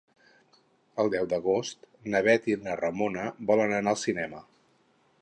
El deu d'agost na Bet i na Ramona volen anar al cinema.